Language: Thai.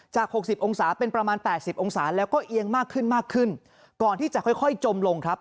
หกสิบองศาเป็นประมาณ๘๐องศาแล้วก็เอียงมากขึ้นมากขึ้นก่อนที่จะค่อยค่อยจมลงครับ